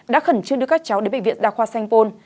đã khẩn trương đưa các cháu đến bệnh viện đa khoa sanh pôn